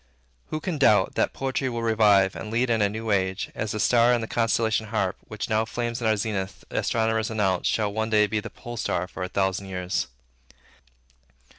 Who can doubt, that poetry will revive and lead in a new age, as the star in the constellation Harp, which now flames in our zenith, astronomers announce, shall one day be the pole star for a thousand years?